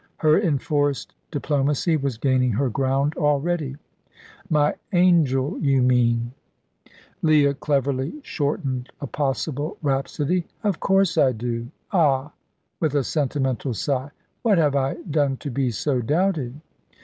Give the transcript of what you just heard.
Her enforced diplomacy was gaining her ground already. "My angel! you mean " Leah cleverly shortened a possible rhapsody. "Of course I do. Ah!" with a sentimental sigh; "what have I done to be so doubted?"